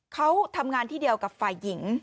เขาทำงานที่เดียวกับฝ่ายหญิง